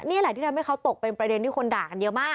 นี่แหละที่ทำให้เขาตกเป็นประเด็นที่คนด่ากันเยอะมาก